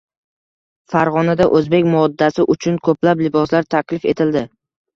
Farg‘onada o‘zbek modasi uchun ko‘plab liboslar taklif etildi